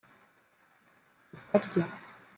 tukarya